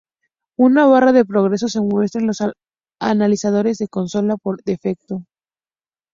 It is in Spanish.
Una barra de progreso se muestra en los analizadores de consola por defecto.